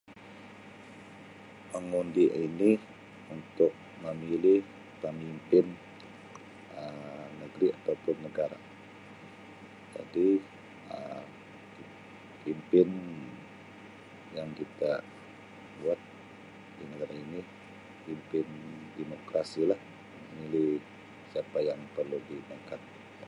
Mengundi ini untuk memilih pemimpin Um negeri ataupun negara jadi Um pimpin yang kita buat di negara ini pimpin demokrasi lah milik siapa yang kalau diangkat.